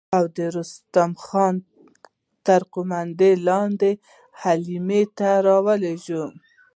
او د رستم خان تر قوماندې لاندې يې حملې ته را ولېږه.